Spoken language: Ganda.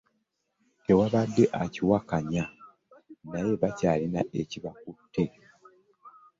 Tewabadde akiwakanya naye bakyalina ebibakutte.